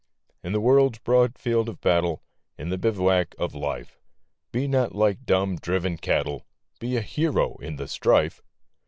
In the world's broad field of battle, In the bivouac of Life, Be not like dumb, driven cattle ! Be a hero in the strife